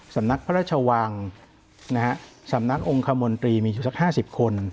สำนักพระราชวังสำนักองคมนตรีมีอยู่สัก๕๐คน